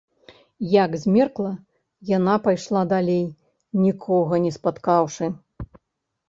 Як змеркла, яна пайшла далей, нікога не спаткаўшы.